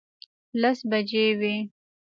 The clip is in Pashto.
لس بجې وې.